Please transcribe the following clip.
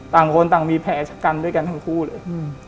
ต่างคนต่างมีแผลชะกันด้วยกันทั้งคู่เลย